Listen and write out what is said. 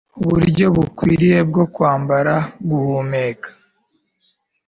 uburyo bukwiriye bwo kwambara guhumeka